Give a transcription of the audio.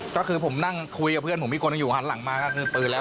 ก็คือผมนั่งคุยกับเพื่อนผมอีกคนนึงอยู่หันหลังมาก็คือปืนแล้ว